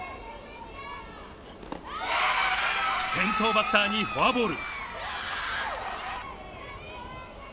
先頭バッターにフォアボール。